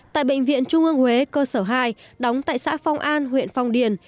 tại bệnh viện trung ương huế cơ sở hai đóng tại xã phong an huyện phong điền